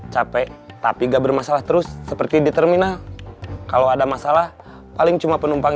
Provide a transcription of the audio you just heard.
capek tapi enggak bermasalah terus seperti di terminal kalau ada masalah paling cuma penumpang